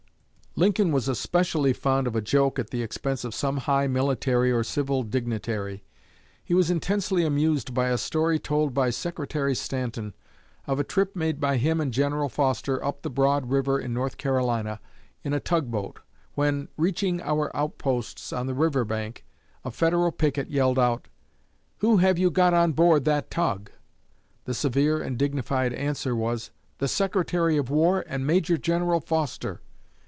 Lincoln was especially fond of a joke at the expense of some high military or civil dignitary. He was intensely amused by a story told by Secretary Stanton, of a trip made by him and General Foster up the Broad river in North Carolina, in a tug boat, when, reaching our outposts on the river bank, a Federal picket yelled out, "Who have you got on board that tug?" The severe and dignified answer was, "The Secretary of War and Major General Foster."